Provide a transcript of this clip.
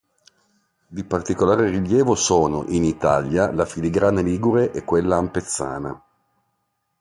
Di particolare rilievo sono, in Italia, la filigrana ligure e quella ampezzana.